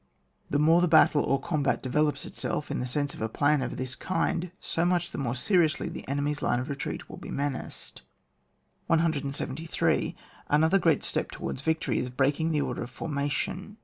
The more the battle, or combat, develops itself in the sense of a plan of this kind, so much the more seriously the enemy's line of retreat will be menaced. 173. Another great step towards vic tory is breaking the order of formation.